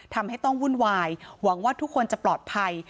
ทำให้ต้องวุ่นวายหวังว่าทุกคนจะปลอดภัย